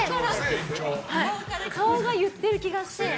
顔が言っている気がして。